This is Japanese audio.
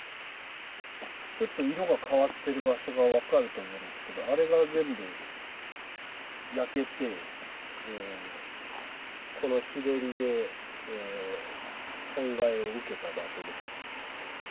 ちょっと色が変わってる場所が分かると思うんですけど、あれが全部焼けて、この日照りで損害を受けた場所です。